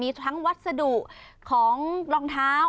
ทั้งวัสดุของรองเท้า